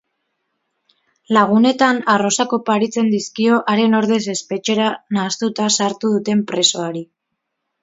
Lagunetan, arrosak oparitzen dizkio haren ordez espetxera nahastuta sartu duten presoari.